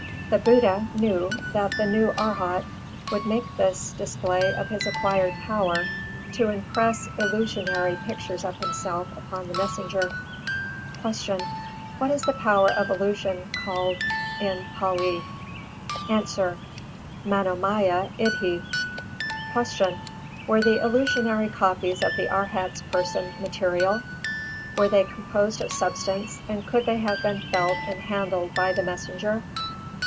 The Buddha knew that the new Arhat would make this display of his acquired power to impress illusionary pictures of himself upon the messenger. 353. Q. What is this power of illusion called in Pālī? A. Manomaya Iddhī. 354. Q. _Were the illusionary copies of the Arhat's person material? Were they composed of substance and could they have been felt and handled by the messenger?